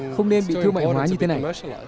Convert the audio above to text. không nên bị thương mại hóa như thế này